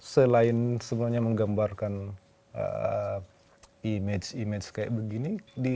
selain sebenarnya menggambarkan image image kayak begini